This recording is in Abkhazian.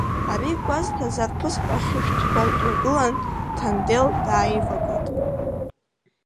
Ари гәазҭаз арԥыск ахьышәҭҳәа дҩагылан, Ҭандел дааивагылт.